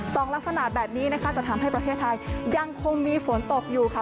สองลักษณะแบบนี้นะคะจะทำให้ประเทศไทยยังคงมีฝนตกอยู่ค่ะ